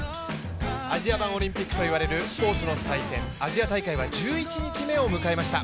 アジア版オリンピックといわれるスポーツの祭典アジア大会は１１日目を迎えました